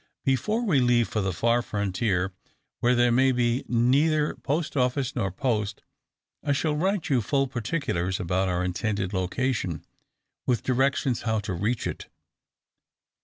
Before we leave for the far frontier, where there may be neither post office nor post, I shall write you full particulars about our intended `location' with directions how to reach it.